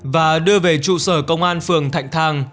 và đưa về trụ sở công an phường thạnh thàng